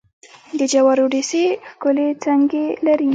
د جوارو ډېسې ښکلې څڼکې لري.